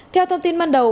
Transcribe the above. theo thông tin ban đầu